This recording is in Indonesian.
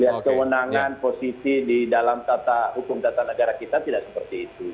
ya kewenangan posisi di dalam tata hukum tata negara kita tidak seperti itu